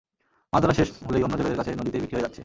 মাছ ধরা শেষ হলেই অন্য জেলেদের কাছে নদীতেই বিক্রি হয়ে যাচ্ছে।